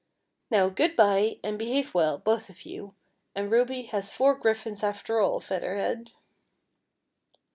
Now, good bye, and behave well, both of you, and Ruby has four griffins after all, Feather Head."